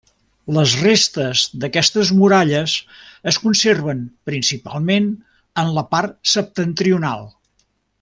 Les restes d'aquestes muralles es conserven principalment en el part septentrional.